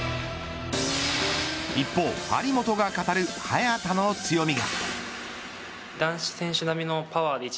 一方、張本が語る早田の強みが。